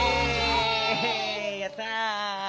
やった！